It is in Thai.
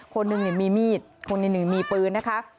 คนหนึ่งมีมีดคนหนึ่งมีปืนนะคะ